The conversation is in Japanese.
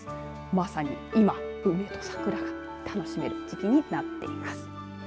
まさに今、梅と桜が楽しめる時期になっています。